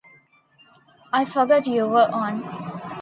I forgot you were on.